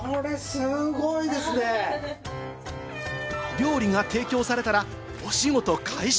料理が提供されたら、お仕事開始。